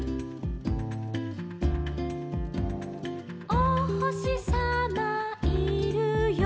「おほしさまいるよ」